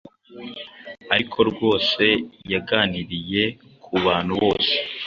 Ariko rwose yaganiriye kubantu bose